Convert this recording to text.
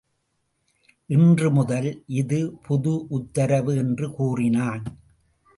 இன்று முதல் இது புது உத்தரவு என்று கூறினான்.